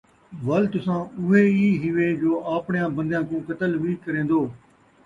وَل تُساں اُوہے اِی ہِیوے، جو آپڑیاں بندیاں کوں قتل وِی کریندو